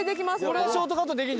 これはショートカットできる。